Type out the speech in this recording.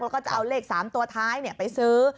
แล้วก็จะเอาเลข๓ตัวท้ายไปซื้อ